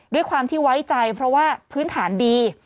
ด้วยความที่ไว้ใจเพราะว่าพื้นฐานดี